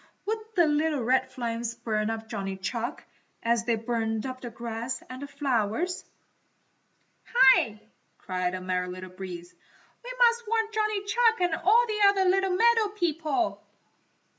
Would the little red flames burn up Johnny Chuck, as they burned up the grass and the flowers? "Hi!" cried the Merry Little Breeze, "We must warn Johnny Chuck and all the other little meadow people!"